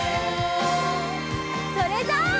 それじゃあ。